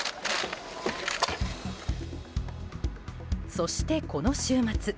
そして、この週末。